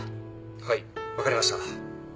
はい分かりました。